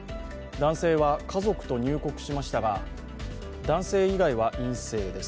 男性は家族と入国しましたが男性以外は陰性です。